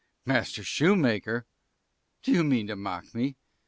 _ Master Shoe maker! do you mean to mock me?